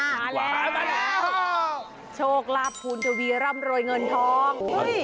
หาแล้วหามาแล้วโชคลาภูมิทวีร่ำโรยเงินทองเฮ้ย